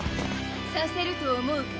させると思うか？